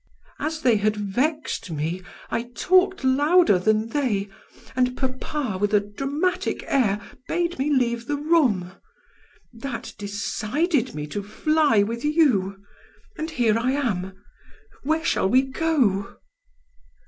As they had vexed me, I talked louder than they, and papa with a dramatic air bade me leave the room. That decided me to fly with you. And here I am; where shall we go?"